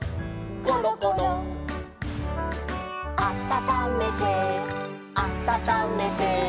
「あたためてあたためて」